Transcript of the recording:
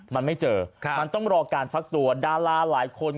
มันไม่เจอมันต้องรอการฟักตัวดาราหลายคน